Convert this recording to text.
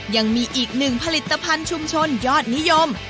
ยังมีอีกหนึ่งผลิตภัณฑ์ชุมชนยอดนิยม